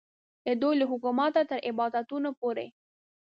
د دوی له حکومته تر عبادتونو پورې.